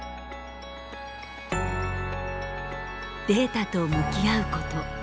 データと向き合うこと。